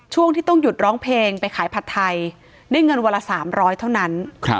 ช่วงที่ต้องหยุดร้องเพลงไปขายผัดไทยได้เงินวันละ๓๐๐เท่านั้น